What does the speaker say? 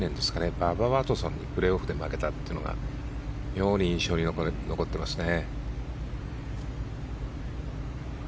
ババ・ワトソンにプレーオフで負けたのが妙に印象に残っていますね。